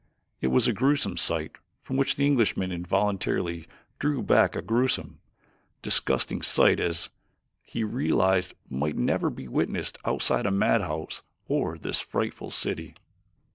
It was a gruesome sight from which the Englishman involuntarily drew back a gruesome, disgusting sight such as, he realized, might never be witnessed outside a madhouse or this frightful city.